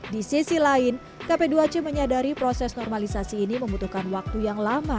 di sisi lain kp dua c menyadari proses normalisasi ini membutuhkan waktu yang lama